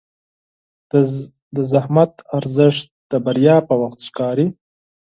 د زحمت ارزښت د بریا په وخت ښکاري.